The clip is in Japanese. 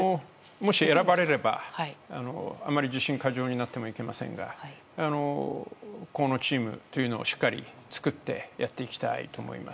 もし選ばれれば、あまり自信過剰になってもいけませんが河野チームというのをしっかり作ってやっていきたいと思います。